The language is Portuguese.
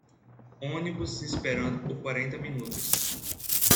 Ônibus esperando por quarenta minutos